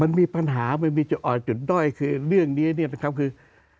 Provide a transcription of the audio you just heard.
มันมีปัญหามันมีจุดอ่อนจุดด้อยคือเรื่องนี้เนี่ยนะครับคือ